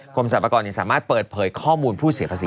กรมสรรพากรสามารถเปิดเผยข้อมูลผู้เสียภาษี